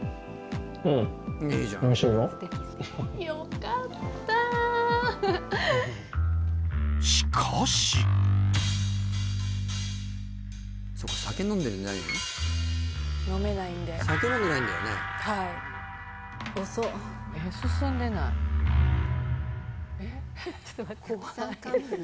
うんおいしいよよかったしかしそっか酒飲んでるんじゃない飲めないんで酒飲んでないんだよねはい遅っえっ進んでないたくさん噛むの？